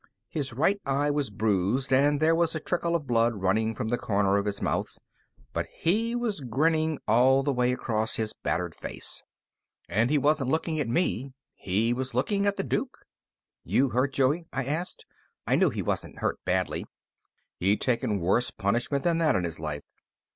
His right eye was bruised, and there was a trickle of blood running from the corner of his mouth, but he was grinning all the way across his battered face. And he wasn't looking at me; he was looking at the Duke. "You hurt, Joey?" I asked. I knew he wasn't hurt badly; he'd taken worse punishment than that in his life.